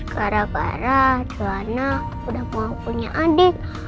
karena johana udah mau punya adik